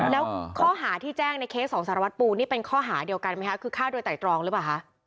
แล้วข้อหาที่แจ้งในเคสของสารวัตรปูนี่เป็นข้อหาเดียวกันไหมคะคือฆ่าโดยไตรตรองหรือเปล่าคะ